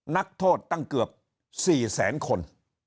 นักโทษตั้งเกือบ๔แสนคน